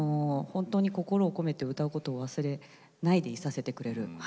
本当に心を込めて歌うことを忘れないでいさせてくれる。